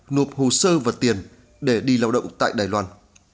nộp hồ sơ và tiền để đi lao động tại đài loan